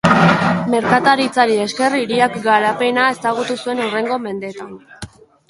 Merkataritzari esker hiriak garapena ezagutu zuen hurrengo mendeetan.